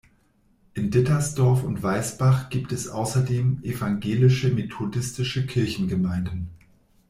In Dittersdorf und Weißbach gibt es außerdem evangelische-methodistische Kirchengemeinden.